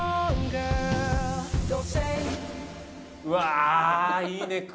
うわいいね。